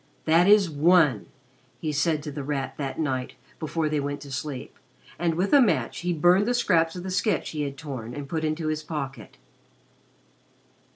"That is one!" he said to The Rat that night before they went to sleep, and with a match he burned the scraps of the sketch he had torn and put into his pocket.